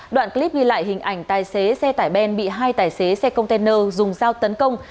đoạn clip ghi lại hình ảnh tài xế xe tải ben bị hai tài xế xe container dùng dao tấn công